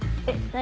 何？